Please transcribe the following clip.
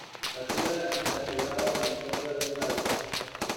Captura invertebrados en el fondo de los cauces.